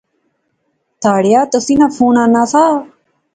تہاڑیا تسیں ناں فون ایناں سا